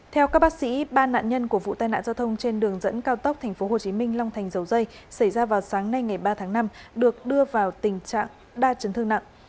theo các bác sĩ ba nạn nhân của vụ tai nạn giao thông trên đường dẫn cao tốc tp hcm long thành dầu dây xảy ra vào sáng nay ngày ba tháng năm được đưa vào tình trạng đa chấn thương nặng